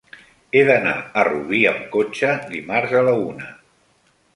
He d'anar a Rubí amb cotxe dimarts a la una.